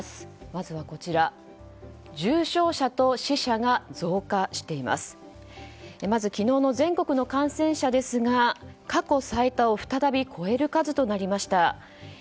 まず昨日の全国の感染者ですが過去最多を再び超える数となりました。